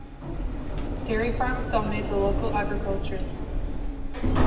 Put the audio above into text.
Dairy farms dominate the local agriculture.